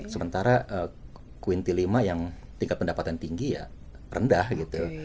sementara quinti lima yang tingkat pendapatan tinggi ya rendah gitu